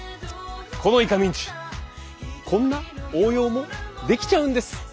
このイカミンチこんな応用もできちゃうんです。